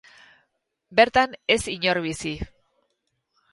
Bertan ez inor bizi.